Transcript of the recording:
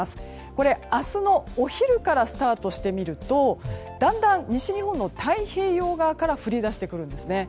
これ、明日のお昼からスタートしてみるとだんだん西日本の太平洋側から降り出してくるんですね。